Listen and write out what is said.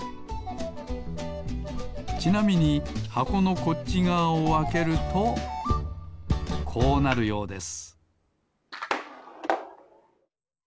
ちなみにはこのこっちがわをあけるとこうなるようです